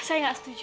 saya gak setuju